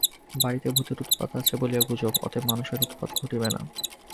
বাড়িটাতে ভূতের উৎপাত আছে বলিয়া গুজব, অতএব মানুষের উৎপাত ঘটিবে না।